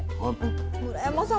村山さん